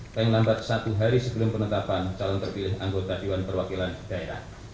dan lambat satu hari sebelum penetapan calon terpilih anggota diwan perwakilan daerah